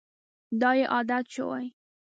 دا یې عادت شوی.